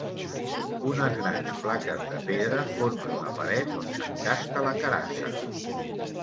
Unes grans plaques de pedra formen la paret on s'encasta la carassa.